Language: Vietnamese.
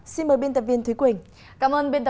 xin mời biên tập viên thúy quỳnh